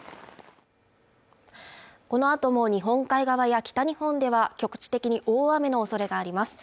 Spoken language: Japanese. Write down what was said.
このあとも日本海側や北日本では局地的に大雨のおそれがあります